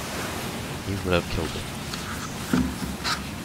He would have killed it.